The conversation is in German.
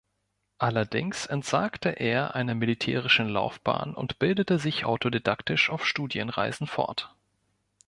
Allerdings entsagte er einer militärischen Laufbahn und bildete sich autodidaktisch auf Studienreisen fort.